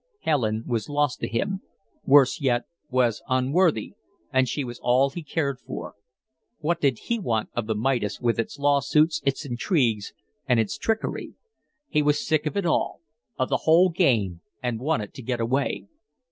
Helen was lost to him worse yet, was unworthy, and she was all he cared for. What did he want of the Midas with its lawsuits, its intrigues, and its trickery? He was sick of it all of the whole game and wanted to get away.